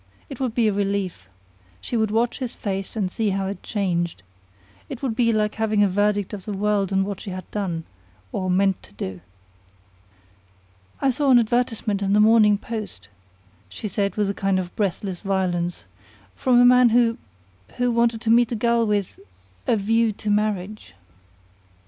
It would be a relief. She would watch his face and see how it changed. It would be like having the verdict of the world on what she had done or meant to do. "I saw an advertisement in the Morning Post," she said with a kind of breathless violence, "from a man who who wanted to meet a girl with a 'view to marriage.'"